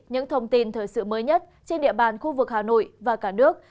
những thông tin thời sự mới nhất trên địa bàn khu vực hà nội và cả nước